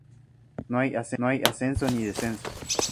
No hay ascensos ni descensos.